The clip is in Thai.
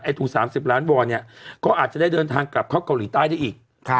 ถุง๓๐ล้านวอลเนี่ยก็อาจจะได้เดินทางกลับเข้าเกาหลีใต้ได้อีก